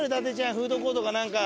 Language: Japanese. フードコートかなんか。